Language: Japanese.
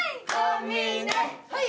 はい！